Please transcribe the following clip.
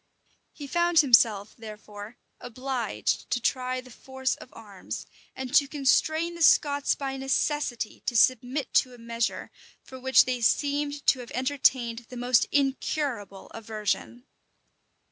He found himself, therefore, obliged to try the force of arms, and to constrain the Scots by necessity to submit to a measure for which they seemed to have entertained the most incurable aversion.